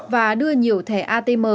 và đưa nhiều thẻ at